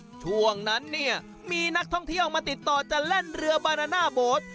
ช่วงนั้นเนี่ยมีนักท่องเที่ยวมาติดต่อจะแล่นเรือบานาน่าโบ๊ท